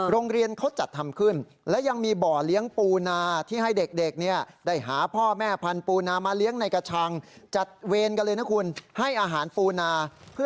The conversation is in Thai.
โรงเรียนเขาจัดทำขึ้นแล้วยังมีเบาะเลี้ยงปูนา